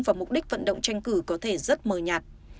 và mục đích vận động tranh cử có thể rất mờ nhạt